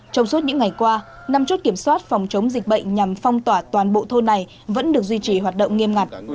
trong suốt những ngày qua năm chốt kiểm soát phòng chống dịch bệnh nhằm phong tỏa toàn bộ thôn này vẫn được duy trì hoạt động nghiêm ngặt